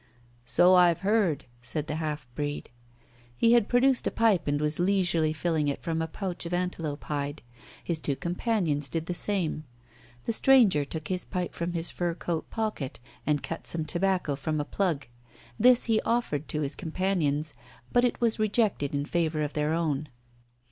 "So I've heard," said the half breed. He had produced a pipe, and was leisurely filling it from a pouch of antelope hide. His two companions did the same. The stranger took his pipe from his fur coat pocket and cut some tobacco from a plug. This he offered to his companions, but it was rejected in favour of their own.